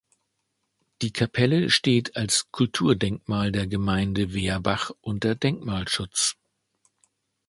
Die Kapelle steht als Kulturdenkmal der Gemeinde Werbach unter Denkmalschutz.